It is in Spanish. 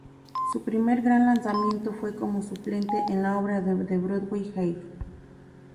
Su primer gran lanzamiento fue como suplente en la obra de Broadway "Hair".